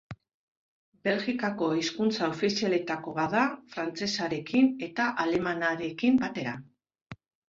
Belgikako hizkuntza ofizialetako bat da, frantsesarekin eta alemanarekin batera.